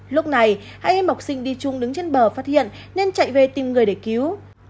lúc này hai em học sinh đi chung đứng trên bờ phát hiện nên chạy về tìm người để cứu